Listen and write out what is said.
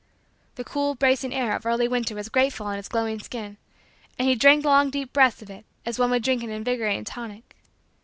The cool, bracing air, of early winter was grateful on his glowing skin and he drank long deep breaths of it as one would drink an invigorating tonic.